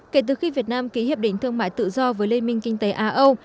kể từ khi việt nam ký hiệp định thương mại tự do với liên minh kinh tế a âu